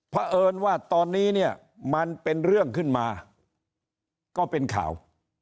เพราะเอิญว่าตอนนี้เนี่ยมันเป็นเรื่องขึ้นมาก็เป็นข่าว